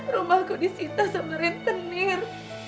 rumahku disita semerin tenir